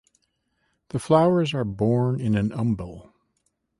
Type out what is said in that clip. The flowers are borne in an umbel.